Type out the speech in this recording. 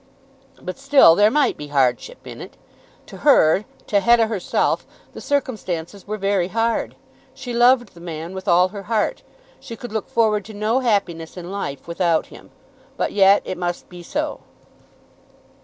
But still there might be hardship in it. To her, to Hetta herself, the circumstances were very hard. She loved the man with all her heart. She could look forward to no happiness in life without him. But yet it must be so.